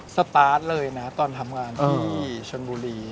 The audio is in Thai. สตาร์ทเลยนะตอนทำงานที่ชนบุรี